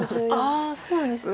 そうなんですね。